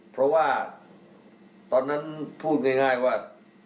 เพราะว่าตอนนั้นพูดง่ายว่า